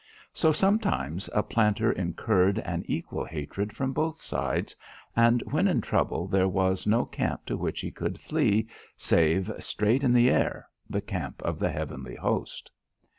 So sometimes a planter incurred an equal hatred from both sides and when in trouble there was no camp to which he could flee save, straight in air, the camp of the heavenly host.